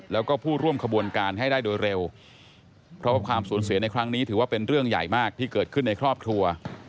แล้วก็ผู้ร่วมขบวนการให้ได้โดยเร็วเพราะว่าความสูญเสียในครั้งนี้ถือว่าเป็นเรื่องใหญ่มากที่เกิดขึ้นในครอบครัว